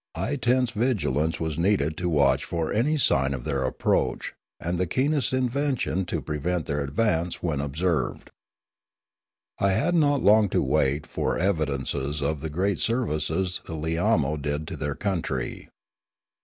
Eye tease vigilance was needed to watch for any sign of their approach, and the keenest invention to prevent their advance when observed. I had not long to wait for evidences of the great ser vices the Lilamo did to their country.